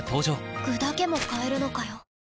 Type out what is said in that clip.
具だけも買えるのかよ